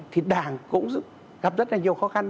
thì đảng cũng gặp rất là nhiều khó khăn